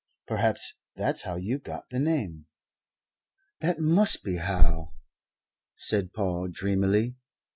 Perhaps that's how you got the name." "That must be how," said Paul dreamily.